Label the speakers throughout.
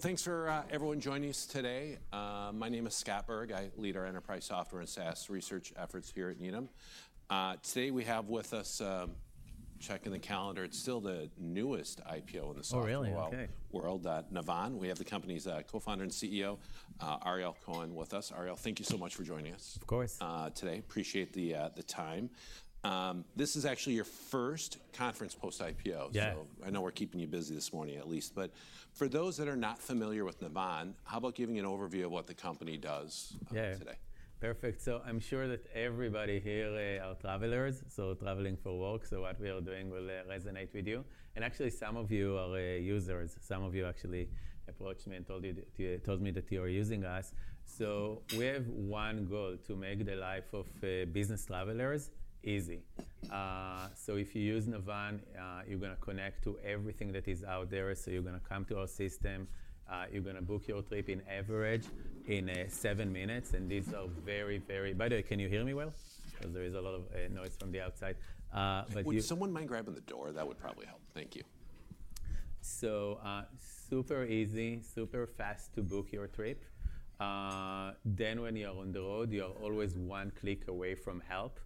Speaker 1: Thanks for everyone joining us today. My name is Scott Berg. I lead our enterprise software and SaaS research efforts here at Needham. Today we have with us, checking the calendar, it's still the newest IPO in the software world.
Speaker 2: Oh, really? Okay.
Speaker 1: World. Navan, we have the company's Co-founder and CEO, Ariel Cohen, with us. Ariel, thank you so much for joining us.
Speaker 2: Of course.
Speaker 1: Today. Appreciate the time. This is actually your first conference post-IPO, so I know we're keeping you busy this morning at least. But for those that are not familiar with Navan, how about giving an overview of what the company does today?
Speaker 2: Perfect. So I'm sure that everybody here are travelers, so traveling for work. So what we are doing will resonate with you. And actually, some of you are users. Some of you actually approached me and told me that you are using us. So we have one goal: to make the life of business travelers easy. So if you use Navan, you're going to connect to everything that is out there. So you're going to come to our system. You're going to book your trip, on average, in seven minutes. And these are very, very. By the way, can you hear me well? Because there is a lot of noise from the outside.
Speaker 1: Would someone mind grabbing the door? That would probably help. Thank you.
Speaker 2: So super easy, super fast to book your trip. Then when you're on the road, you're always one click away from help.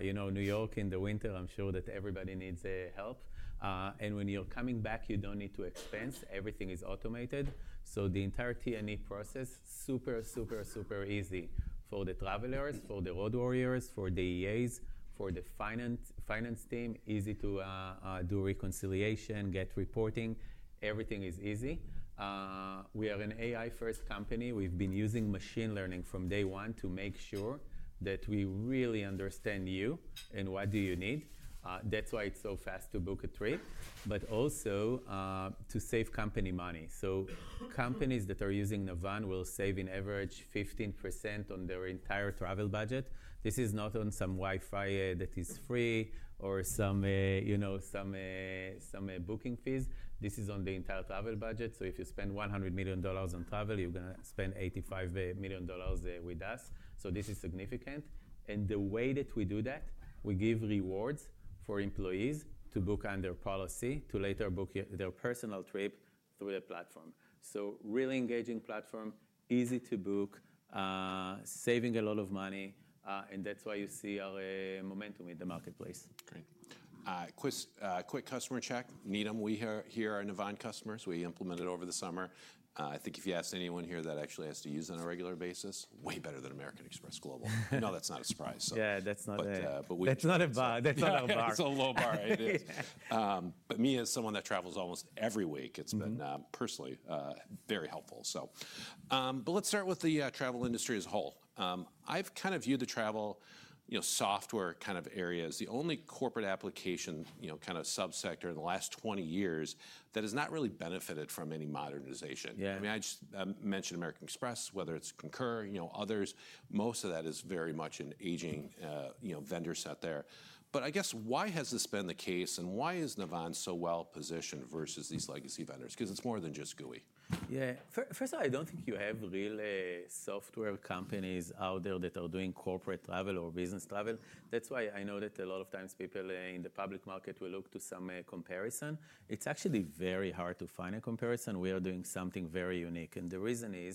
Speaker 2: You know, New York in the winter, I'm sure that everybody needs help. And when you're coming back, you don't need to expense. Everything is automated. So the entire T&E process, super, super, super easy for the travelers, for the road warriors, for the EAs, for the finance team. Easy to do reconciliation, get reporting. Everything is easy. We are an AI-first company. We've been using machine learning from day one to make sure that we really understand you and what do you need. That's why it's so fast to book a trip, but also to save company money. So companies that are using Navan will save, on average, 15% on their entire travel budget. This is not on some Wi-Fi that is free or some booking fees. This is on the entire travel budget. So if you spend $100 million on travel, you're going to spend $85 million with us. So this is significant. And the way that we do that, we give rewards for employees to book under policy to later book their personal trip through the platform. So really engaging platform, easy to book, saving a lot of money. And that's why you see our momentum in the marketplace.
Speaker 1: Great. Quick customer check. Needham, we here are Navan customers. We implemented over the summer. I think if you ask anyone here that actually has to use it on a regular basis, way better than American Express Global. No, that's not a surprise.
Speaker 2: Yeah, that's not a bar.
Speaker 1: But we.
Speaker 2: That's not a bar.
Speaker 1: It's a low bar. It is. But me, as someone that travels almost every week, it's been personally very helpful. But let's start with the travel industry as a whole. I've kind of viewed the travel software kind of areas, the only corporate application kind of subsector in the last 20 years that has not really benefited from any modernization. I mean, I just mentioned American Express, whether it's Concur, others. Most of that is very much an aging vendor set there. But I guess, why has this been the case? And why is Navan so well positioned versus these legacy vendors? Because it's more than just GUI.
Speaker 2: Yeah. First of all, I don't think you have real software companies out there that are doing corporate travel or business travel. That's why I know that a lot of times people in the public market will look to some comparison. It's actually very hard to find a comparison. We are doing something very unique, and the reason is,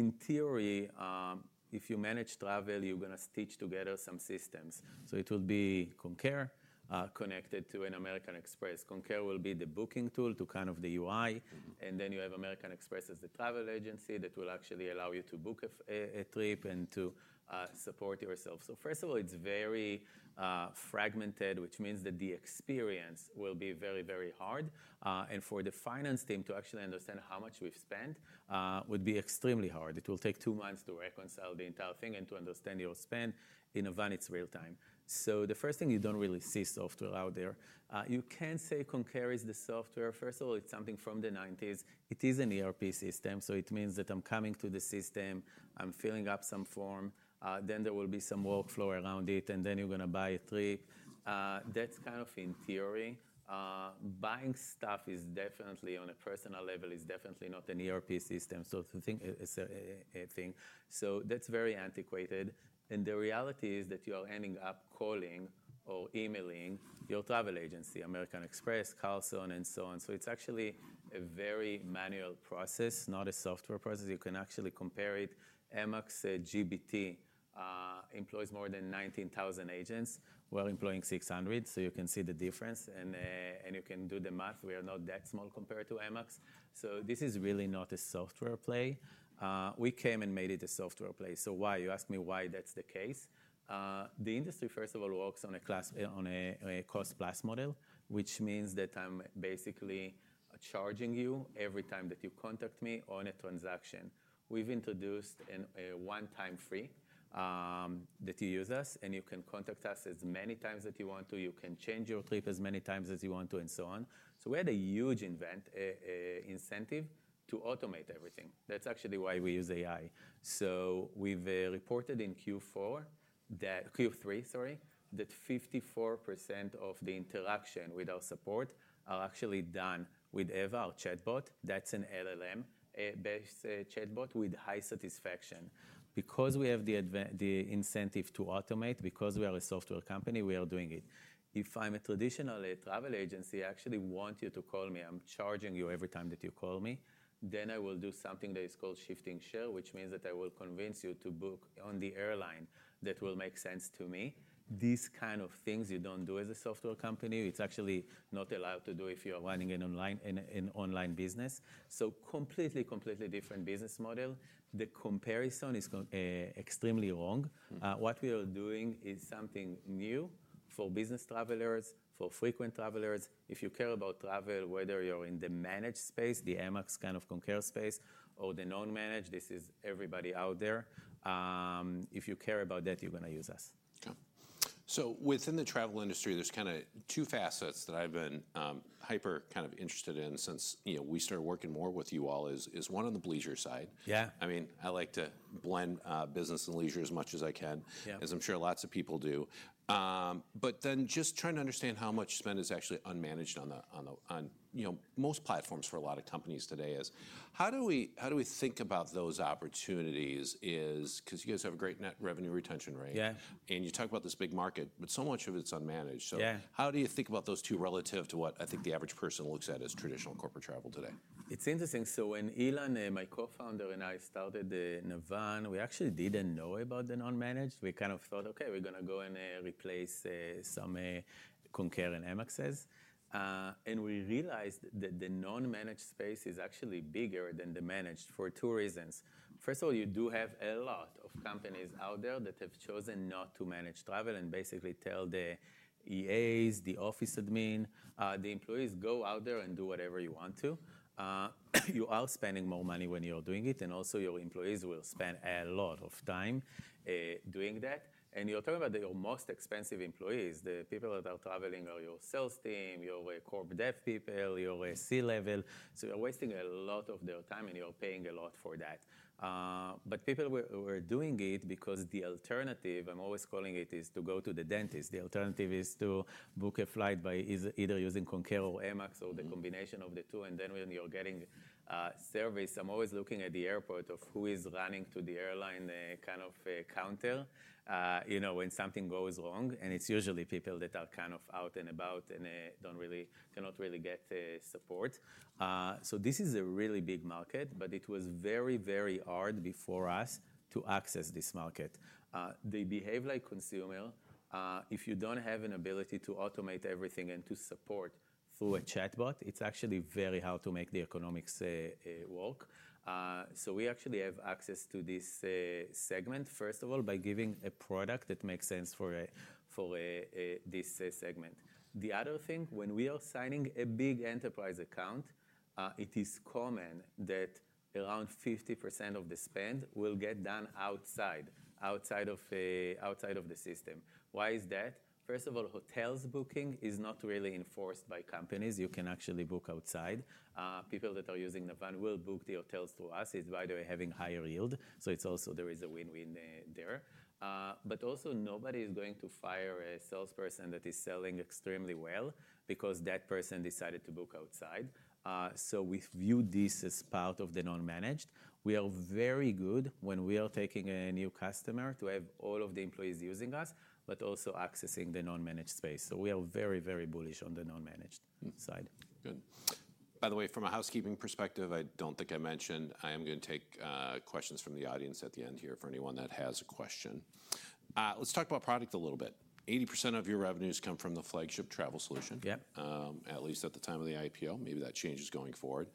Speaker 2: in theory, if you manage travel, you're going to stitch together some systems, so it will be Concur connected to an American Express. Concur will be the booking tool to kind of the UI, and then you have American Express as the travel agency that will actually allow you to book a trip and to support yourself, so first of all, it's very fragmented, which means that the experience will be very, very hard, and for the finance team to actually understand how much we've spent would be extremely hard. It will take two months to reconcile the entire thing and to understand your spend. In Navan, it's real time. So the first thing, you don't really see software out there. You can say Concur is the software. First of all, it's something from the 1990s. It is an ERP system. So it means that I'm coming to the system, I'm filling up some form, then there will be some workflow around it, and then you're going to buy a trip. That's kind of in theory. Buying stuff is definitely on a personal level, is definitely not an ERP system. So to think it's a thing. So that's very antiquated. And the reality is that you are ending up calling or emailing your travel agency, American Express, Carlson, and so on. So it's actually a very manual process, not a software process. You can actually compare it. Amex GBT employs more than 19,000 agents. We're employing 600. So you can see the difference. And you can do the math. We are not that small compared to Amex. So this is really not a software play. We came and made it a software play. So why? You ask me why that's the case. The industry, first of all, works on a cost-plus model, which means that I'm basically charging you every time that you contact me on a transaction. We've introduced a one-time fee that you use us, and you can contact us as many times as you want to. You can change your trip as many times as you want to, and so on. So we had a huge incentive to automate everything. That's actually why we use AI. So we've reported in Q4, Q3, sorry, that 54% of the interaction with our support are actually done with Ava, our chatbot. That's an LLM-based chatbot with high satisfaction. Because we have the incentive to automate, because we are a software company, we are doing it. If I'm a traditional travel agency, I actually want you to call me. I'm charging you every time that you call me. Then I will do something that is called shifting share, which means that I will convince you to book on the airline that will make sense to me. These kind of things you don't do as a software company. It's actually not allowed to do if you are running an online business. So completely, completely different business model. The comparison is extremely wrong. What we are doing is something new for business travelers, for frequent travelers. If you care about travel, whether you're in the managed space, the Amex kind of Concur space, or the non-managed, this is everybody out there. If you care about that, you're going to use us.
Speaker 1: So, within the travel industry, there's kind of two facets that I've been hyper kind of interested in since we started working more with you all: one on the leisure side.
Speaker 2: Yeah.
Speaker 1: I mean, I like to blend business and leisure as much as I can, as I'm sure lots of people do. But then just trying to understand how much spend is actually unmanaged on most platforms for a lot of companies today is, how do we think about those opportunities? Because you guys have a great net revenue retention rate.
Speaker 2: Yeah.
Speaker 1: You talk about this big market, but so much of it's unmanaged. How do you think about those two relative to what I think the average person looks at as traditional corporate travel today?
Speaker 2: It's interesting so when Ilan, my co-founder, and I started Navan, we actually didn't know about the non-managed. We kind of thought, OK, we're going to go and replace some Concur and Amexes, and we realized that the non-managed space is actually bigger than the managed for two reasons. First of all, you do have a lot of companies out there that have chosen not to manage travel and basically tell the EAs, the office admin, the employees, go out there and do whatever you want to. You are spending more money when you're doing it, and also, your employees will spend a lot of time doing that, and you're talking about your most expensive employees. The people that are traveling are your sales team, your Corp Dev people, your C-level, so you're wasting a lot of their time, and you're paying a lot for that. But people were doing it because the alternative, I'm always calling it, is to go to the dentist. The alternative is to book a flight by either using Concur or Amex or the combination of the two. And then when you're getting service, I'm always looking at the airport of who is running to the airline kind of counter when something goes wrong. And it's usually people that are kind of out and about and cannot really get support. So this is a really big market, but it was very, very hard before us to access this market. They behave like consumer. If you don't have an ability to automate everything and to support through a chatbot, it's actually very hard to make the economics work. So we actually have access to this segment, first of all, by giving a product that makes sense for this segment. The other thing, when we are signing a big enterprise account, it is common that around 50% of the spend will get done outside of the system. Why is that? First of all, hotels booking is not really enforced by companies. You can actually book outside. People that are using Navan will book the hotels through us. It's, by the way, having higher yield. So it's also there is a win-win there. But also, nobody is going to fire a salesperson that is selling extremely well because that person decided to book outside. So we view this as part of the non-managed. We are very good when we are taking a new customer to have all of the employees using us, but also accessing the non-managed space. So we are very, very bullish on the non-managed side.
Speaker 1: Good. By the way, from a housekeeping perspective, I don't think I mentioned. I am going to take questions from the audience at the end here for anyone that has a question. Let's talk about product a little bit. 80% of your revenues come from the flagship travel solution, at least at the time of the IPO. Maybe that changes going forward.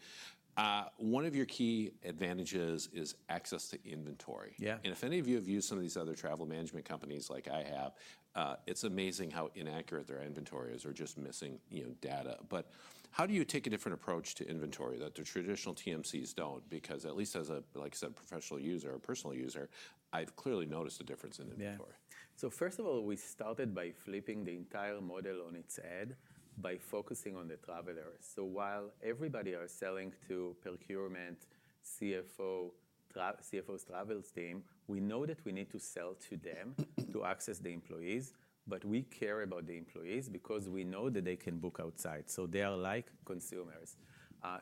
Speaker 1: One of your key advantages is access to inventory.
Speaker 2: Yeah.
Speaker 1: If any of you have used some of these other travel management companies like I have, it's amazing how inaccurate their inventory is or just missing data. How do you take a different approach to inventory that the traditional TMCs don't? Because at least as a, like I said, professional user or personal user, I've clearly noticed a difference in inventory.
Speaker 2: Yeah. So first of all, we started by flipping the entire model on its head by focusing on the travelers. So while everybody is selling to procurement, CFO, CFO's travel team, we know that we need to sell to them to access the employees. But we care about the employees because we know that they can book outside. So they are like consumers.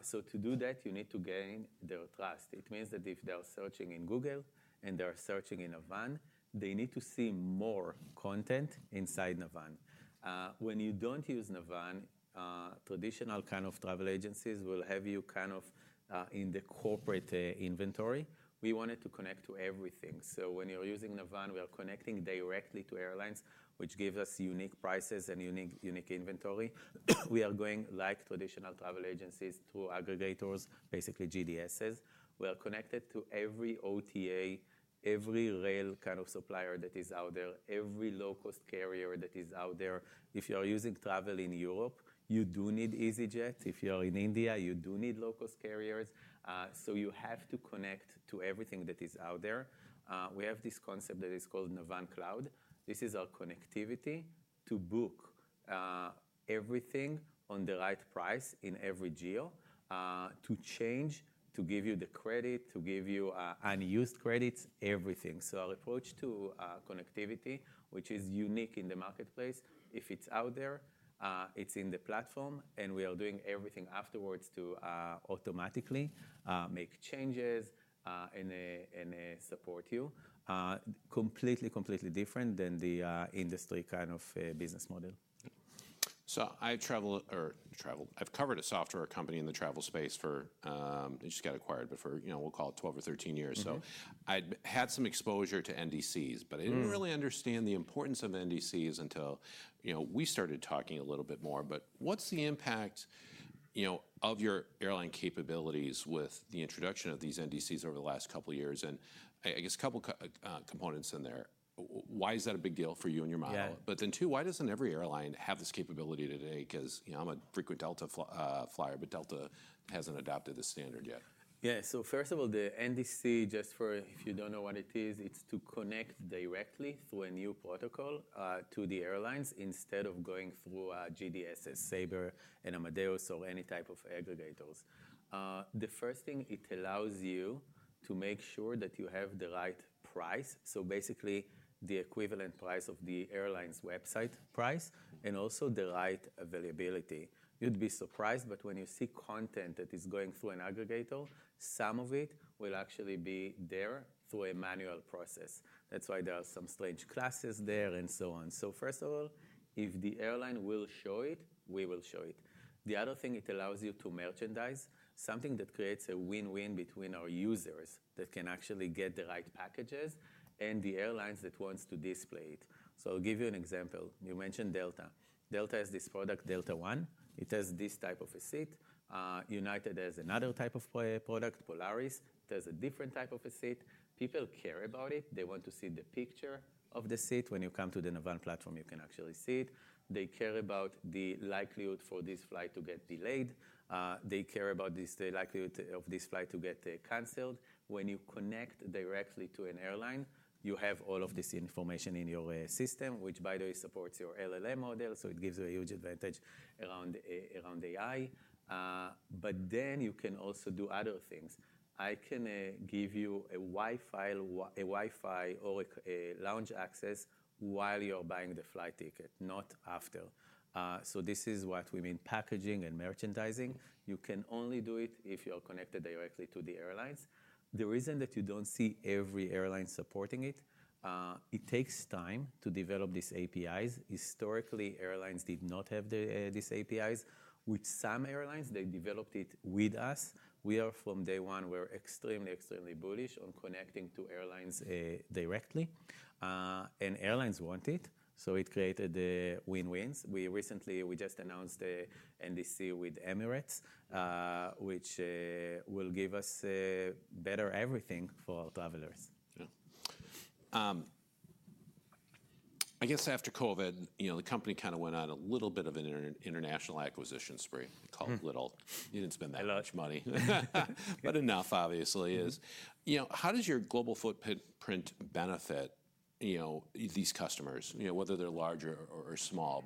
Speaker 2: So to do that, you need to gain their trust. It means that if they are searching in Google and they are searching in Navan, they need to see more content inside Navan. When you don't use Navan, traditional kind of travel agencies will have you kind of in the corporate inventory. We wanted to connect to everything. So when you're using Navan, we are connecting directly to airlines, which gives us unique prices and unique inventory. We are going like traditional travel agencies through aggregators, basically GDSs. We are connected to every OTA, every rail kind of supplier that is out there, every low-cost carrier that is out there. If you are using travel in Europe, you do need EasyJet. If you are in India, you do need low-cost carriers. So you have to connect to everything that is out there. We have this concept that is called Navan Cloud. This is our connectivity to book everything on the right price in every geo, to change, to give you the credit, to give you unused credits, everything. So our approach to connectivity, which is unique in the marketplace, if it's out there, it's in the platform. And we are doing everything afterwards to automatically make changes and support you. Completely, completely different than the industry kind of business model.
Speaker 1: So, I travel or traveled. I've covered a software company in the travel space for, it just got acquired before, we'll call it 12 or 13 years. So, I'd had some exposure to NDCs, but I didn't really understand the importance of NDCs until we started talking a little bit more. But, what's the impact of your airline capabilities with the introduction of these NDCs over the last couple of years? And, I guess, a couple of components in there. Why is that a big deal for you and your model?
Speaker 2: Yeah.
Speaker 1: But then, too, why doesn't every airline have this capability today? Because I'm a frequent Delta flyer, but Delta hasn't adopted the standard yet.
Speaker 2: Yeah. So first of all, the NDC, just for if you don't know what it is, it's to connect directly through a new protocol to the airlines instead of going through GDSs, Sabre, and Amadeus, or any type of aggregators. The first thing, it allows you to make sure that you have the right price. So basically, the equivalent price of the airline's website price and also the right availability. You'd be surprised, but when you see content that is going through an aggregator, some of it will actually be there through a manual process. That's why there are some strange classes there and so on. So first of all, if the airline will show it, we will show it. The other thing, it allows you to merchandise something that creates a win-win between our users that can actually get the right packages and the airlines that want to display it. So I'll give you an example. You mentioned Delta. Delta has this product, Delta One. It has this type of a seat. United has another type of product, Polaris. It has a different type of a seat. People care about it. They want to see the picture of the seat. When you come to the Navan platform, you can actually see it. They care about the likelihood for this flight to get delayed. They care about the likelihood of this flight to get canceled. When you connect directly to an airline, you have all of this information in your system, which, by the way, supports your LLM model. So it gives you a huge advantage around AI. But then you can also do other things. I can give you a Wi-Fi or a lounge access while you're buying the flight ticket, not after. So this is what we mean by packaging and merchandising. You can only do it if you are connected directly to the airlines. The reason that you don't see every airline supporting it, it takes time to develop these APIs. Historically, airlines did not have these APIs. With some airlines, they developed it with us. We are, from day one, we're extremely, extremely bullish on connecting to airlines directly. And airlines want it. So it created win-wins. We recently, we just announced the NDC with Emirates, which will give us better everything for our travelers.
Speaker 1: Yeah. I guess after COVID, the company kind of went on a little bit of an international acquisition spree. Call it little. You didn't spend that much money.
Speaker 2: A lot.
Speaker 1: How does your global footprint benefit these customers, whether they're large or small?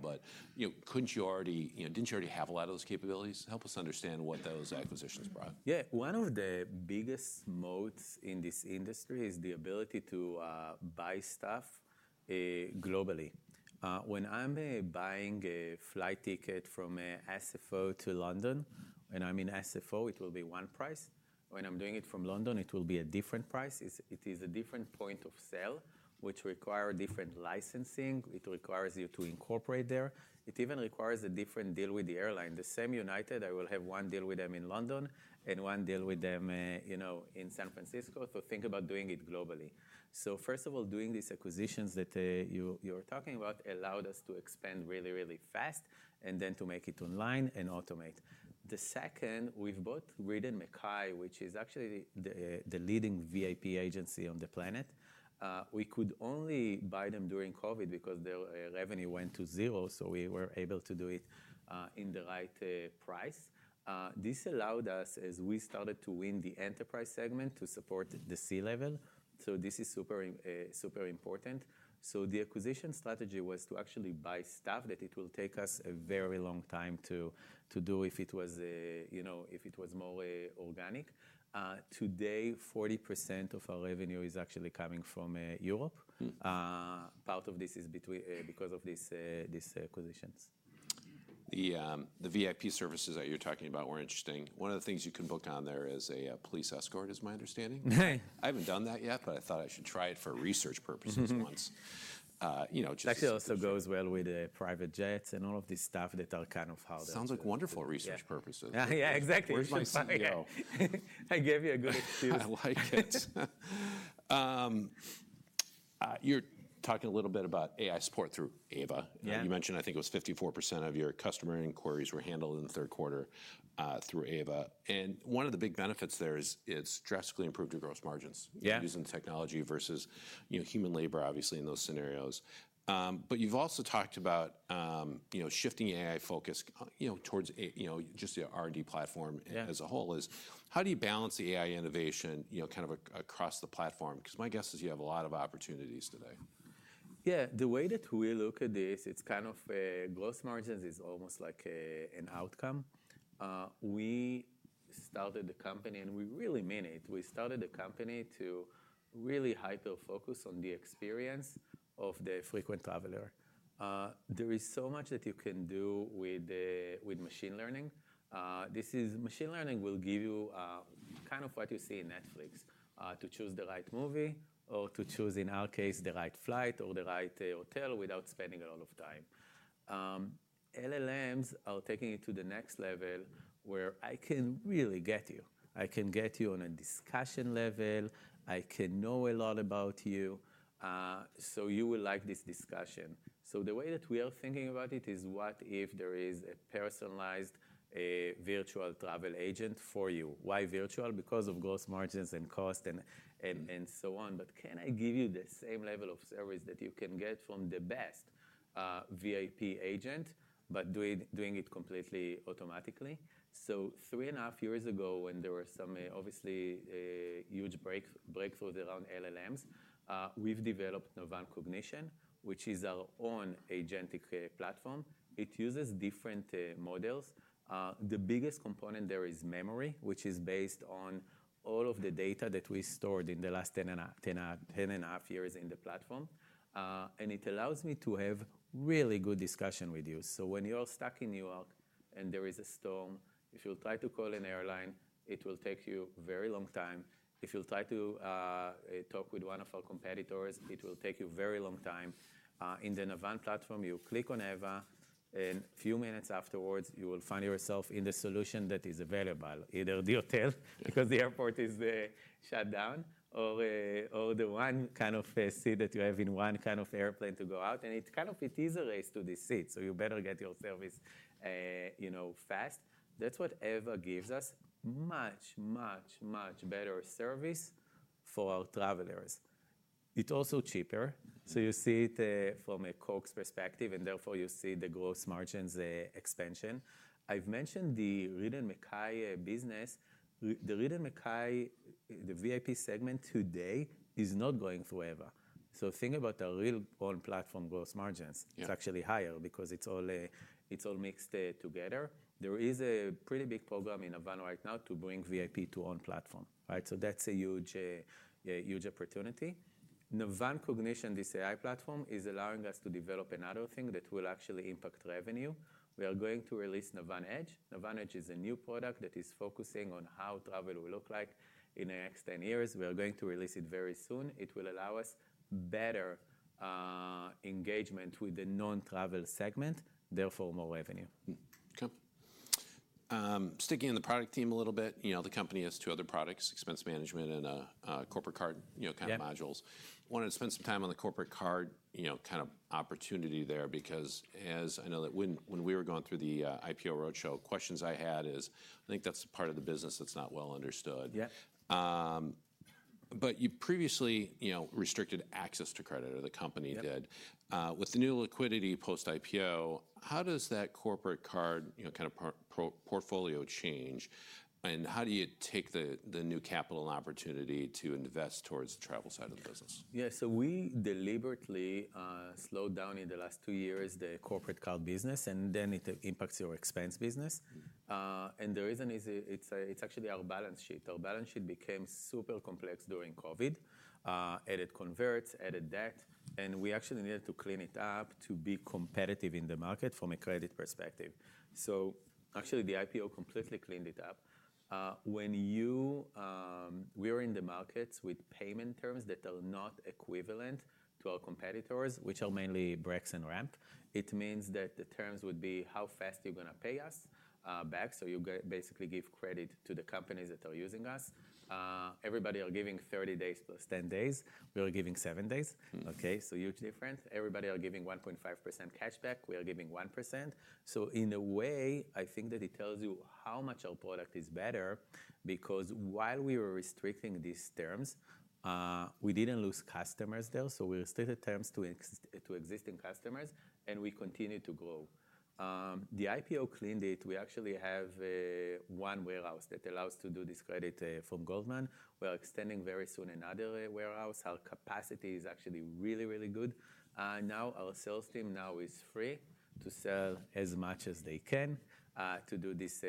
Speaker 1: Couldn't you already, didn't you already have a lot of those capabilities? Help us understand what those acquisitions brought.
Speaker 2: Yeah. One of the biggest moats in this industry is the ability to buy stuff globally. When I'm buying a flight ticket from SFO to London, when I'm in SFO, it will be one price. When I'm doing it from London, it will be a different price. It is a different point of sale, which requires different licensing. It requires you to incorporate there. It even requires a different deal with the airline. The same United, I will have one deal with them in London and one deal with them in San Francisco. So think about doing it globally. So first of all, doing these acquisitions that you are talking about allowed us to expand really, really fast and then to make it online and automate. The second, we've bought Reed & Mackay, which is actually the leading VIP agency on the planet. We could only buy them during COVID because their revenue went to zero. So we were able to do it in the right price. This allowed us, as we started to win the enterprise segment, to support the C-level. So this is super important. So the acquisition strategy was to actually buy stuff that it will take us a very long time to do if it was more organic. Today, 40% of our revenue is actually coming from Europe. Part of this is because of these acquisitions.
Speaker 1: The VIP services that you're talking about were interesting. One of the things you can book on there is a police escort, is my understanding.
Speaker 2: Yeah.
Speaker 1: I haven't done that yet, but I thought I should try it for research purposes once.
Speaker 2: Actually, it also goes well with private jets and all of this stuff that are kind of how they're sold.
Speaker 1: Sounds like wonderful research purposes.
Speaker 2: Yeah, exactly.
Speaker 1: Where's my money go?
Speaker 2: I gave you a good excuse.
Speaker 1: I like it. You're talking a little bit about AI support through Ava.
Speaker 2: Yeah.
Speaker 1: You mentioned, I think it was 54% of your customer inquiries were handled in the third quarter through Ava, and one of the big benefits there is it's drastically improved your gross margins.
Speaker 2: Yeah.
Speaker 1: Using technology versus human labor, obviously, in those scenarios. But you've also talked about shifting AI focus towards just the R&D platform as a whole. How do you balance the AI innovation kind of across the platform? Because my guess is you have a lot of opportunities today.
Speaker 2: Yeah. The way that we look at this, it's kind of gross margins is almost like an outcome. We started the company, and we really mean it. We started the company to really hyper-focus on the experience of the frequent traveler. There is so much that you can do with machine learning. Machine learning will give you kind of what you see in Netflix, to choose the right movie or to choose, in our case, the right flight or the right hotel without spending a lot of time. LLMs are taking it to the next level where I can really get you. I can get you on a discussion level. I can know a lot about you. So you will like this discussion. So the way that we are thinking about it is what if there is a personalized virtual travel agent for you. Why virtual? Because of gross margins and cost and so on. But can I give you the same level of service that you can get from the best VIP agent, but doing it completely automatically? So three and a half years ago, when there were some obviously huge breakthroughs around LLMs, we've developed Navan Cognition, which is our own agentic platform. It uses different models. The biggest component there is memory, which is based on all of the data that we stored in the last 10 and a half years in the platform. And it allows me to have really good discussion with you. So when you are stuck in New York and there is a storm, if you'll try to call an airline, it will take you a very long time. If you'll try to talk with one of our competitors, it will take you a very long time. In the Navan platform, you click on Ava, and a few minutes afterwards, you will find yourself in the solution that is available, either the hotel, because the airport is shut down, or the one kind of seat that you have in one kind of airplane to go out, and it kind of is a race to the seat. So you better get your service fast. That's what Ava gives us much, much, much better service for our travelers. It's also cheaper. So you see it from a COGS perspective, and therefore you see the gross margins expansion. I've mentioned the Reed & Mackay business. The Reed & Mackay, the VIP segment today is not going through Ava. So think about the real on-platform gross margins. It's actually higher because it's all mixed together. There is a pretty big program in Navan right now to bring VIP to on-platform. So that's a huge opportunity. Navan Cognition, this AI platform, is allowing us to develop another thing that will actually impact revenue. We are going to release Navan Edge. Navan Edge is a new product that is focusing on how travel will look like in the next 10 years. We are going to release it very soon. It will allow us better engagement with the non-travel segment, therefore more revenue.
Speaker 1: Okay. Sticking in the product team a little bit, the company has two other products, expense management and corporate card kind of modules. I wanted to spend some time on the corporate card kind of opportunity there because, as I know that when we were going through the IPO roadshow, questions I had is, I think that's part of the business that's not well understood.
Speaker 2: Yeah.
Speaker 1: But you previously restricted access to credit, or the company did. With the new liquidity post-IPO, how does that corporate card kind of portfolio change? And how do you take the new capital opportunity to invest towards the travel side of the business?
Speaker 2: Yeah. So we deliberately slowed down in the last two years the corporate card business, and then it impacts your expense business. And the reason is it's actually our balance sheet. Our balance sheet became super complex during COVID, added converts, added debt. And we actually needed to clean it up to be competitive in the market from a credit perspective. So actually, the IPO completely cleaned it up. When we were in the markets with payment terms that are not equivalent to our competitors, which are mainly Brex and Ramp, it means that the terms would be how fast you're going to pay us back. So you basically give credit to the companies that are using us. Everybody is giving 30 days plus 10 days. We were giving 7 days. Okay? So huge difference. Everybody is giving 1.5% cashback. We are giving 1%. So in a way, I think that it tells you how much our product is better because while we were restricting these terms, we didn't lose customers there. So we restricted terms to existing customers, and we continued to grow. The IPO cleaned it. We actually have one warehouse that allows us to do this credit from Goldman. We are extending very soon another warehouse. Our capacity is actually really, really good. Now our sales team now is free to sell as much as they can to do this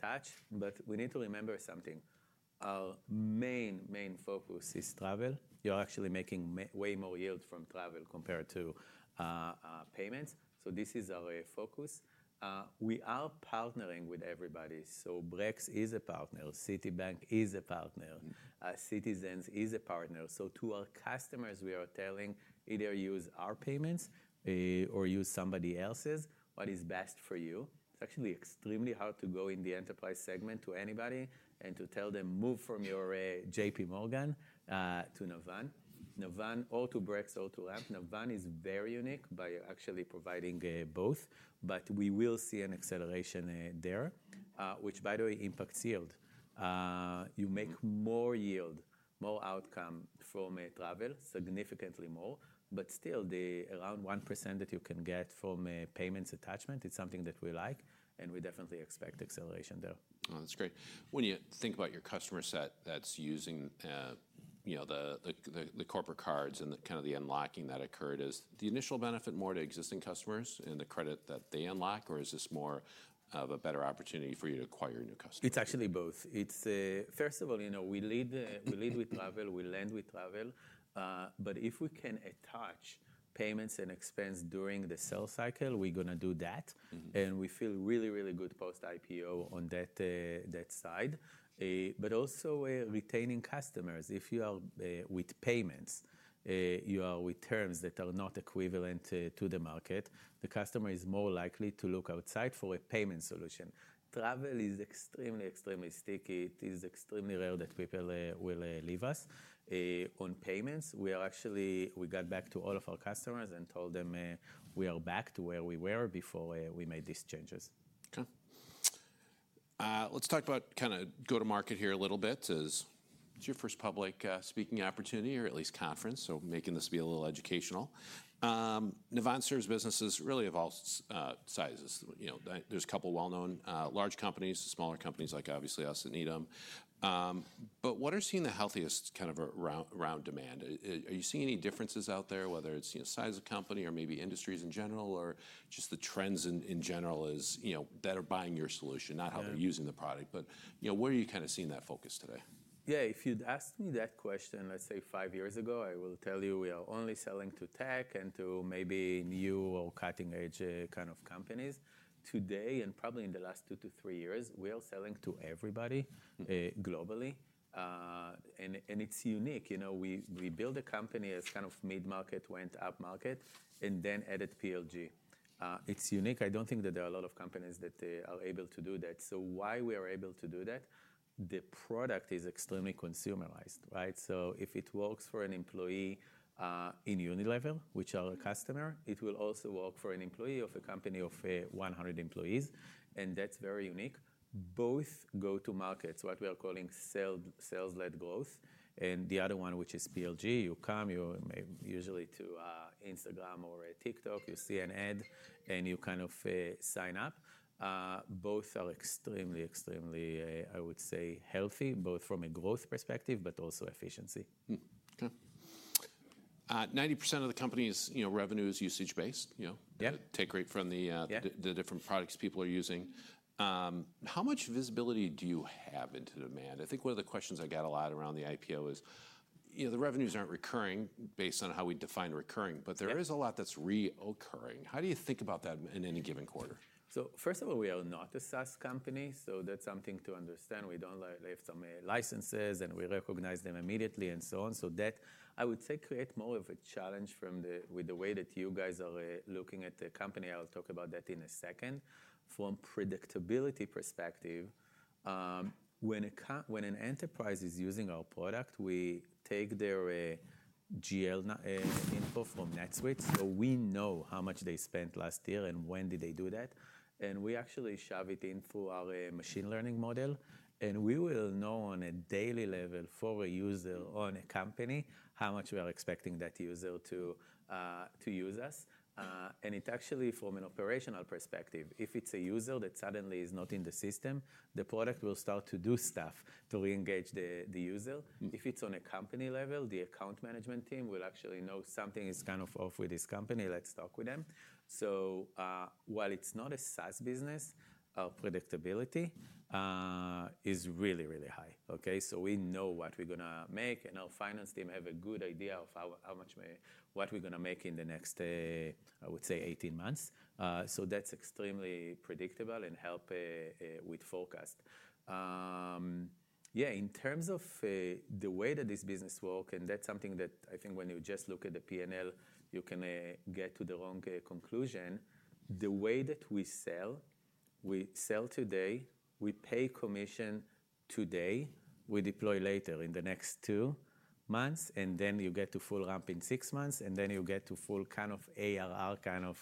Speaker 2: touch. But we need to remember something. Our main focus is travel. You are actually making way more yield from travel compared to payments. So this is our focus. We are partnering with everybody. So Brex is a partner. Citibank is a partner. Citizens is a partner. So to our customers, we are telling either use our payments or use somebody else's, what is best for you. It's actually extremely hard to go in the enterprise segment to anybody and to tell them, move from your JPMorgan to Navan, Navan, or to Brex or to Ramp. Navan is very unique by actually providing both. But we will see an acceleration there, which, by the way, impacts yield. You make more yield, more outcome from travel, significantly more. But still, the around 1% that you can get from payments attachment, it's something that we like. And we definitely expect acceleration there.
Speaker 1: That's great. When you think about your customer set that's using the corporate cards and kind of the unlocking that occurred, is the initial benefit more to existing customers and the credit that they unlock, or is this more of a better opportunity for you to acquire new customers?
Speaker 2: It's actually both. First of all, we lead with travel. We land with travel. But if we can attach payments and expense during the sales cycle, we're going to do that. And we feel really, really good post-IPO on that side. But also retaining customers. If you are with payments, you are with terms that are not equivalent to the market, the customer is more likely to look outside for a payment solution. Travel is extremely, extremely sticky. It is extremely rare that people will leave us. On payments, we are actually, we got back to all of our customers and told them we are back to where we were before we made these changes.
Speaker 1: Okay. Let's talk about kind of go-to-market here a little bit. It's your first public speaking opportunity, or at least conference, so making this be a little educational. Navan serves businesses really of all sizes. There's a couple of well-known large companies, smaller companies like obviously us that need them, but what are seeing the healthiest kind of around demand? Are you seeing any differences out there, whether it's size of company or maybe industries in general, or just the trends in general that are buying your solution, not how they're using the product, but where are you kind of seeing that focus today?
Speaker 2: Yeah. If you'd asked me that question, let's say five years ago, I will tell you we are only selling to tech and to maybe new or cutting-edge kind of companies. Today, and probably in the last two to three years, we are selling to everybody globally. And it's unique. We built a company as kind of mid-market went up market and then added PLG. It's unique. I don't think that there are a lot of companies that are able to do that. So why we are able to do that? The product is extremely consumerized. So if it works for an employee in Unilever, which are a customer, it will also work for an employee of a company of 100 employees. And that's very unique. Both go-to-markets, what we are calling sales-led growth, and the other one, which is PLG, you come, usually to Instagram or TikTok, you see an ad, and you kind of sign up. Both are extremely, extremely, I would say, healthy, both from a growth perspective, but also efficiency.
Speaker 1: Okay. 90% of the company's revenue is usage-based.
Speaker 2: Yeah.
Speaker 1: Take rate from the different products people are using. How much visibility do you have into demand? I think one of the questions I got a lot around the IPO is the revenues aren't recurring based on how we define recurring, but there is a lot that's reoccurring. How do you think about that in any given quarter?
Speaker 2: So first of all, we are not a SaaS company. So that's something to understand. We don't have some licenses, and we recognize them immediately and so on. So that, I would say, creates more of a challenge with the way that you guys are looking at the company. I'll talk about that in a second. From predictability perspective, when an enterprise is using our product, we take their GL info from NetSuite. So we know how much they spent last year and when did they do that. And we actually shove it in through our machine learning model. And we will know on a daily level for a user on a company how much we are expecting that user to use us. And it's actually from an operational perspective. If it's a user that suddenly is not in the system, the product will start to do stuff to re-engage the user. If it's on a company level, the account management team will actually know something is kind of off with this company. Let's talk with them. So while it's not a SaaS business, our predictability is really, really high. So we know what we're going to make, and our finance team have a good idea of what we're going to make in the next, I would say, 18 months. So that's extremely predictable and helps with forecast. Yeah. In terms of the way that this business works, and that's something that I think when you just look at the P&L, you can get to the wrong conclusion. The way that we sell, we sell today, we pay commission today, we deploy later in the next two months, and then you get to full ramp in six months, and then you get to full kind of ARR kind of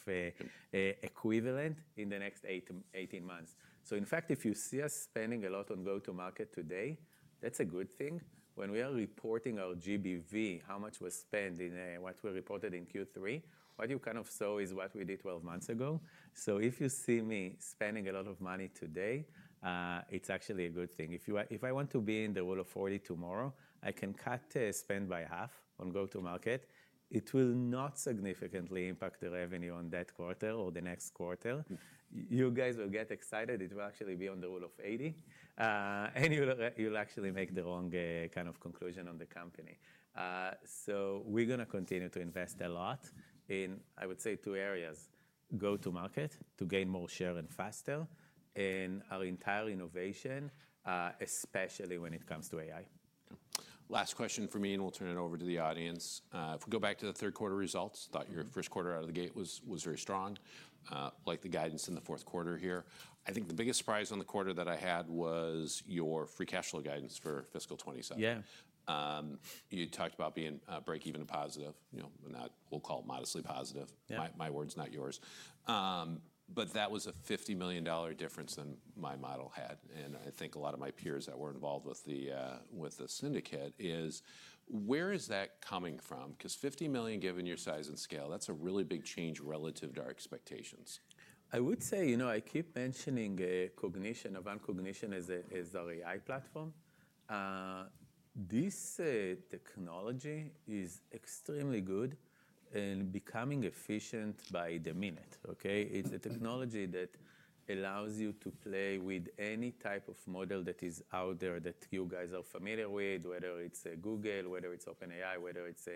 Speaker 2: equivalent in the next 18 months. So in fact, if you see us spending a lot on go-to-market today, that's a good thing. When we are reporting our GBV, how much was spent in what we reported in Q3, what you kind of saw is what we did 12 months ago. So if you see me spending a lot of money today, it's actually a good thing. If I want to be in the Rule of 40 tomorrow, I can cut spend by half on go-to-market. It will not significantly impact the revenue on that quarter or the next quarter. You guys will get excited. It will actually be on the Rule of 80, and you'll actually make the wrong kind of conclusion on the company, so we're going to continue to invest a lot in, I would say, two areas: go-to-market to gain more share and faster, and our entire innovation, especially when it comes to AI.
Speaker 1: Last question for me, and we'll turn it over to the audience. If we go back to the third quarter results, thought your first quarter out of the gate was very strong, like the guidance in the fourth quarter here. I think the biggest surprise on the quarter that I had was your free cash flow guidance for fiscal 2027.
Speaker 2: Yeah.
Speaker 1: You talked about being break-even positive, and that we'll call modestly positive. My words, not yours, but that was a $50 million difference than my model had, and I think a lot of my peers that were involved with the syndicate is, where is that coming from? Because $50 million, given your size and scale, that's a really big change relative to our expectations.
Speaker 2: I would say, you know, I keep mentioning Navan Cognition as our AI platform. This technology is extremely good and becoming efficient by the minute. It's a technology that allows you to play with any type of model that is out there that you guys are familiar with, whether it's Google, whether it's OpenAI, whether it's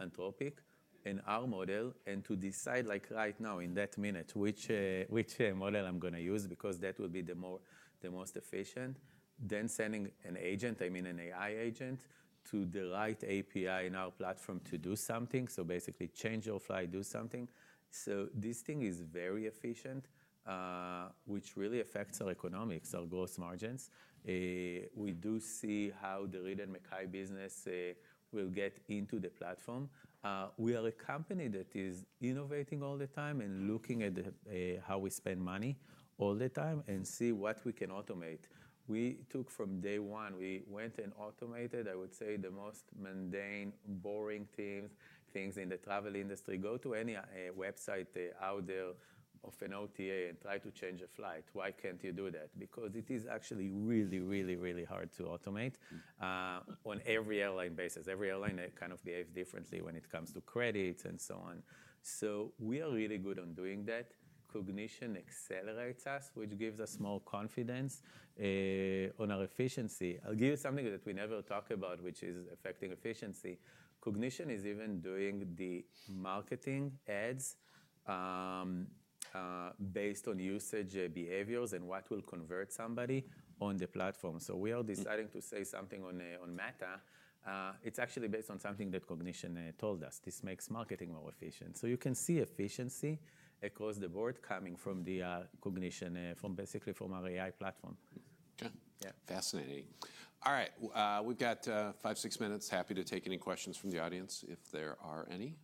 Speaker 2: Anthropic, and our model, and to decide right now in that minute which model I'm going to use, because that will be the most efficient, then sending an agent, I mean an AI agent, to the right API in our platform to do something, so basically change your flight, do something, so this thing is very efficient, which really affects our economics, our gross margins. We do see how the Reed & Mackay business will get into the platform. We are a company that is innovating all the time and looking at how we spend money all the time and see what we can automate. We took from day one, we went and automated, I would say, the most mundane, boring things in the travel industry. Go to any website out there of an OTA and try to change a flight. Why can't you do that? Because it is actually really, really, really hard to automate on every airline basis. Every airline kind of behaves differently when it comes to credits and so on. So we are really good on doing that. Cognition accelerates us, which gives us more confidence on our efficiency. I'll give you something that we never talk about, which is affecting efficiency. Cognition is even doing the marketing ads based on usage behaviors and what will convert somebody on the platform. We are deciding to say something on Meta. It's actually based on something that Cognition told us. This makes marketing more efficient. You can see efficiency across the board coming from the Cognition, basically from our AI platform.
Speaker 1: Okay. Fascinating. All right. We've got five, six minutes. Happy to take any questions from the audience if there are any.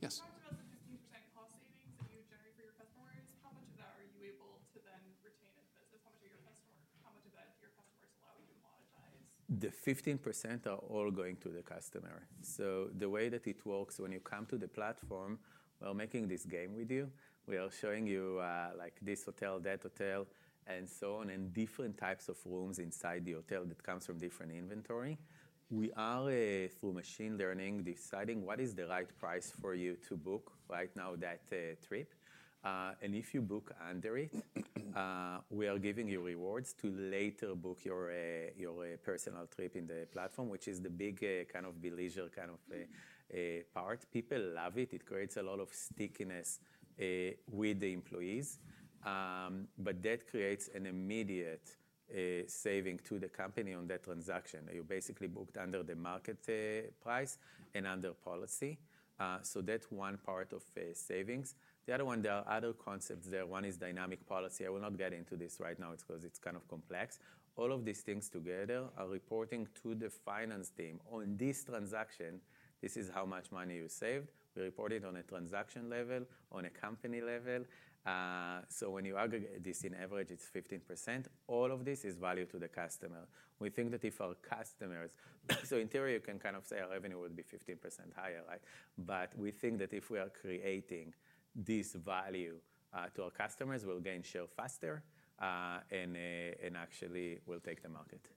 Speaker 1: Yes. You talked about the 15% cost savings that you generate for your customers. How much of that are you able to then retain as business? How much of your customers, how much of that your customers allow you to monetize?
Speaker 2: The 15% are all going to the customer. So the way that it works, when you come to the platform, we're making this game with you. We are showing you this hotel, that hotel, and so on, and different types of rooms inside the hotel that comes from different inventory. We are, through machine learning, deciding what is the right price for you to book right now that trip. And if you book under it, we are giving you rewards to later book your personal trip in the platform, which is the big kind of big league kind of part. People love it. It creates a lot of stickiness with the employees. But that creates an immediate saving to the company on that transaction. You're basically booked under the market price and under policy. So that's one part of savings. The other one, there are other concepts there. One is dynamic policy. I will not get into this right now because it's kind of complex. All of these things together are reporting to the finance team on this transaction. This is how much money you saved. We report it on a transaction level, on a company level. So when you aggregate this in average, it's 15%. All of this is value to the customer. We think that if our customers, so in theory, you can kind of say our revenue would be 15% higher. But we think that if we are creating this value to our customers, we'll gain share faster and actually will take the market.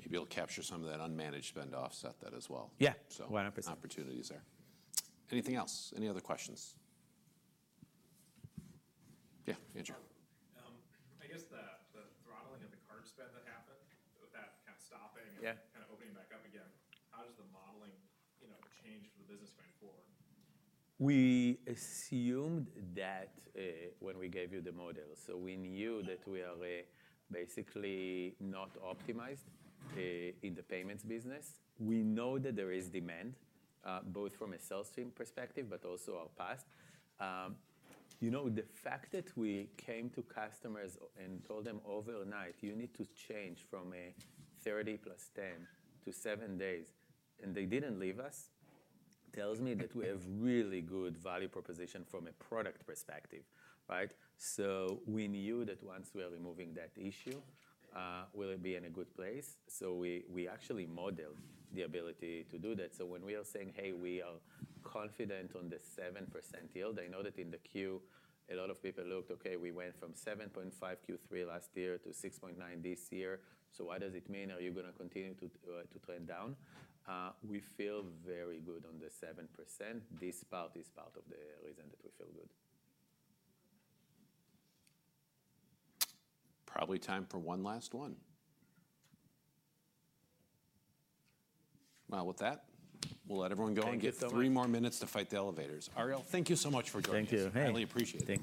Speaker 1: Maybe it'll capture some of that unmanaged spend offset that as well.
Speaker 2: Yeah. 100%.
Speaker 1: Opportunities there. Anything else? Any other questions? Yeah, Andrew. I guess the throttling of the card spend that happened, that kind of stopping and kind of opening back up again, how does the modeling change for the business going forward?
Speaker 2: We assumed that when we gave you the model, so we knew that we are basically not optimized in the payments business. We know that there is demand, both from a sales team perspective, but also our past. You know, the fact that we came to customers and told them overnight, you need to change from 30 plus 10 to seven days, and they didn't leave us, tells me that we have really good value proposition from a product perspective. So we knew that once we are removing that issue, we'll be in a good place. So we actually modeled the ability to do that. So when we are saying, hey, we are confident on the 7% yield, I know that in the Q, a lot of people looked, okay, we went from 7.5 Q3 last year to 6.9 this year. So what does it mean? Are you going to continue to trend down? We feel very good on the 7%. This part is part of the reason that we feel good.
Speaker 1: Probably time for one last one. Well, with that, we'll let everyone go and get three more minutes to fight the elevators. Ariel, thank you so much for joining us.
Speaker 2: Thank you.
Speaker 1: I really appreciate it.